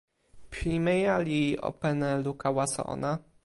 pimeja li open e luka waso ona.